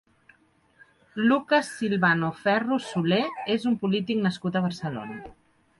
Lucas Silvano Ferro Solé és un polític nascut a Barcelona.